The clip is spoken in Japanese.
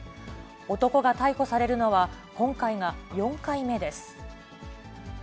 男が逮捕されるのは、今回が４回目です。